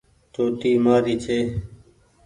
چوٽي مآري ڇي۔